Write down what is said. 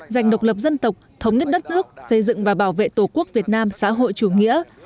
giành độc lập dân tộc thống nhất đất nước xây dựng và bảo vệ tổ quốc việt nam xã hội chủ nghĩa